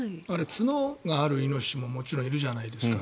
角があるイノシシももちろんいるじゃないですか。